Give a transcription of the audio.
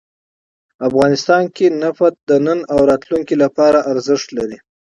افغانستان کې نفت د نن او راتلونکي لپاره ارزښت لري.